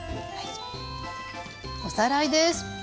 おさらいです。